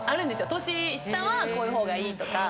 年下はこういう方がいいとか。